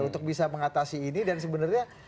untuk bisa mengatasi ini dan sebenarnya